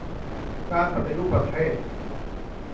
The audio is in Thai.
การปฏิรูปประเทศ